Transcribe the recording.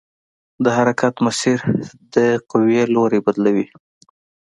د حرکت مسیر د قوې لوری بدلوي.